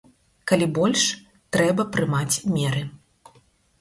Калі больш, трэба прымаць меры.